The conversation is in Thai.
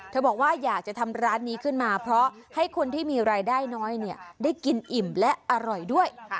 บอกว่าอยากจะทำร้านนี้ขึ้นมาเพราะให้คนที่มีรายได้น้อยได้กินอิ่มและอร่อยด้วย